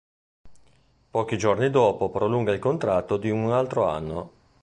Pochi giorni dopo prolunga il contratto di un altro anno.